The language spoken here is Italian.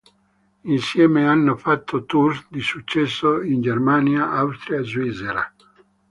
Insieme hanno fatto tours di successo in Germania, Austria e Svizzera.